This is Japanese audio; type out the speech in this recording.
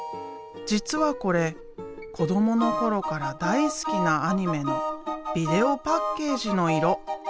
実はこれ子どもの頃から大好きなアニメのビデオパッケージの色。